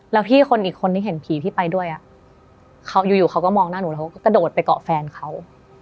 แล้วพี่คนอีกคนที่เห็นผีพี่ไปด้วยเขาอยู่เขาก็มองหน้าหนูแล้วเขาก็กระโดดไปเกาะแฟนเขา